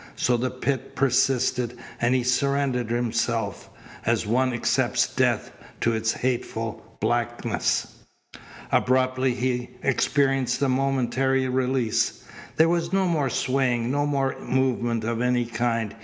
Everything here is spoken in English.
So the pit persisted and he surrendered himself, as one accepts death, to its hateful blackness. Abruptly he experienced a momentary release. There was no more swaying, no more movement of any kind.